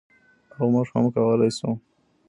او موږ هم کولی شو.